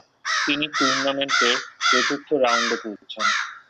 তিনি টুর্নামেন্টের চতুর্থ রাউন্ডে পৌঁছান।